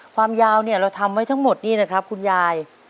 ความยาวเนี่ยเราทำไว้ทั้งหมดนี่นะครับคุณยาย